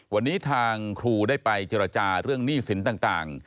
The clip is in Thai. วันนี้ทางครูได้ไปเจรจาเรื่องหนี้สินต่าง